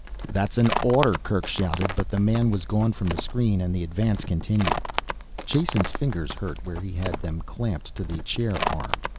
"That's an order," Kerk shouted, but the man was gone from the screen and the advance continued. Jason's fingers hurt where he had them clamped to the chair arm.